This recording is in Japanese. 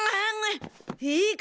いいか！？